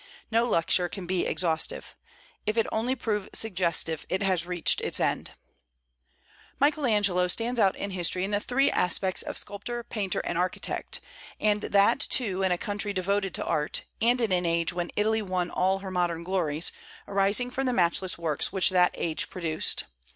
No lecture can be exhaustive. If it only prove suggestive, it has reached its end. Michael Angelo stands out in history in the three aspects of sculptor, painter, and architect; and that too in a country devoted to art, and in an age when Italy won all her modern glories, arising from the matchless works which that age produced.